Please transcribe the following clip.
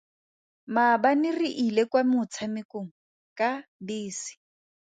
Maabane re ile kwa motshamekong ka bese.